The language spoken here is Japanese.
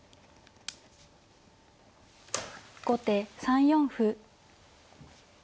後手３四歩。